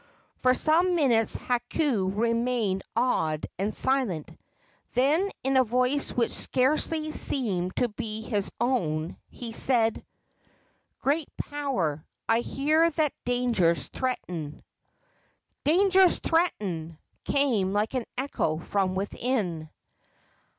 For some minutes Hakau remained awed and silent; then, in a voice which scarcely seemed to be his own, he said: "Great power, I hear that dangers threaten." "Dangers threaten!" came like an echo from within.